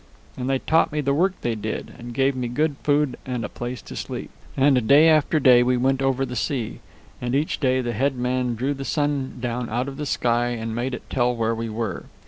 And they taught me the work they did, and gave me good food and a place to sleep. "And day after day we went over the sea, and each day the head man drew the sun down out of the sky and made it tell where we were.